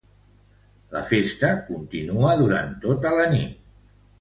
La festa continua durant tota la nit.